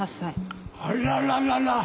あらららら。